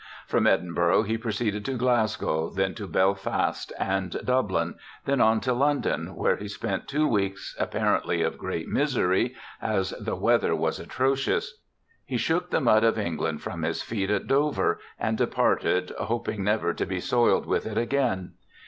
From Edinburgh he proceeded to Glasgow, then to Belfast and Dublin, and then on to London, where he spent two weeks, apparently of great misery, as the weather was atrocious. He shook the mud of England from his feet at Dover, and departed, hoping never to be soiled with it again.